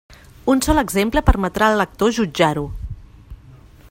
Un sol exemple permetrà al lector jutjar-ho.